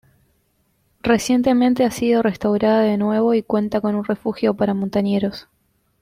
Recientemente ha sido restaurada de nuevo y cuenta con un refugio para montañeros.